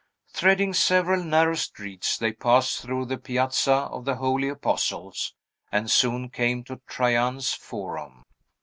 Threading several narrow streets, they passed through the Piazza of the Holy Apostles, and soon came to Trajan's Forum.